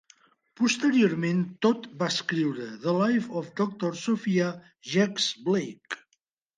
Posteriorment Todd va escriure "The Life of Doctor Sophia Jex-Blake".